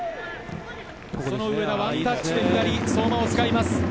上田ワンタッチで左の相馬を使います。